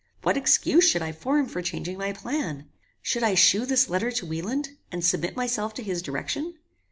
What excuse should I form for changing my plan? Should I shew this letter to Wieland, and submit myself to his direction?